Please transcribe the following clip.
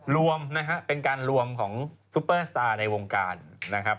รวมนะฮะเป็นการรวมของซุปเปอร์สตาร์ในวงการนะครับ